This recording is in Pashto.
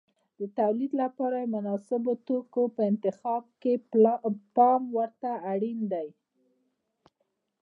د تولید لپاره د مناسبو توکو په انتخاب کې پام ورته اړین دی.